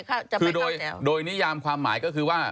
คือโดยนิยามความหมายก็คือว่า